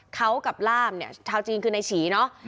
เขากับล่ามเนี่ยชาวจีนคือนายฉีเนาะ